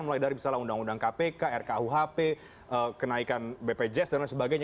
mulai dari misalnya undang undang kpk rkuhp kenaikan bpjs dan lain sebagainya